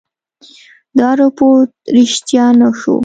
دا رپوټ ریشتیا نه شو.